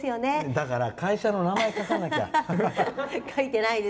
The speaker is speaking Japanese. だから、会社の名前書かなきゃ。